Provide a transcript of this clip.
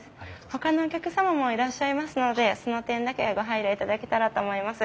ほかのお客様もいらっしゃいますのでその点だけご配慮いただけたらと思います。